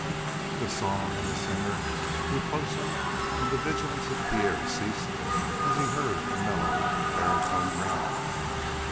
The song and the singer drew closer, and the vigilance of Pierre ceased as he heard a mellow baritone ring out.